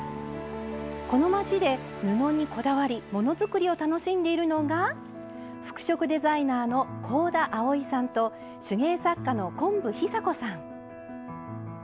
この街で布にこだわり物作りを楽しんでいるのが服飾デザイナーの香田あおいさんと手芸作家の昆布尚子さん。